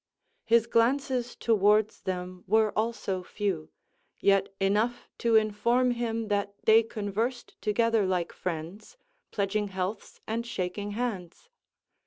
His glances towards them were also few; yet enough to inform him that they conversed together like friends, pledging healths and shaking hands.